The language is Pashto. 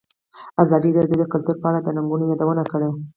ازادي راډیو د کلتور په اړه د ننګونو یادونه کړې.